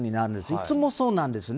いつもそうなんですね。